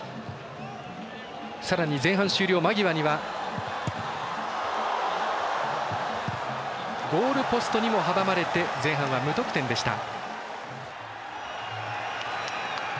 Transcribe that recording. さらに前半終了間際にはゴールポストにも阻まれて前半は無得点でした。